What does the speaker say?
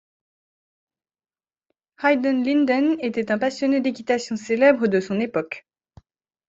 Heyden-Linden était un passionné d'équitation célèbre de son époque.